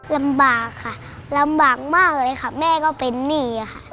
ลำบากค่ะลำบากมากเลยค่ะแม่ก็เป็นหนี้ค่ะ